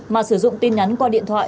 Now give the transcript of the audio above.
mà sử dụng tin nhắn qua điện thoại